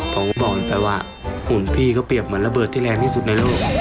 ผมก็บอกไปว่าฝุ่นพี่เขาเปรียบเหมือนระเบิดที่แรงที่สุดในโลก